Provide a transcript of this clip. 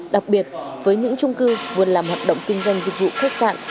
đặc biệt với những trung cư vừa làm hoạt động kinh doanh dịch vụ khách sạn